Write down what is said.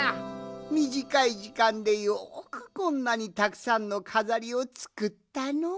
みじかいじかんでよくこんなにたくさんのかざりをつくったのう。